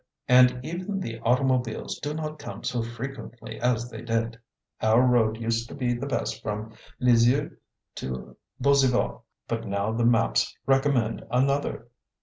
And even the automobiles do not come so frequently as they did. Our road used to be the best from Lisieux to Beuzeval, but now the maps recommend another.